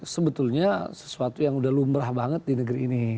sebetulnya sesuatu yang udah lumrah banget di negeri ini